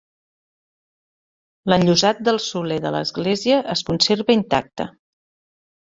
L'enllosat del soler de l'església es conserva intacte.